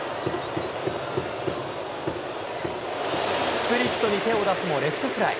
スプリットに手を出すも、レフトフライ。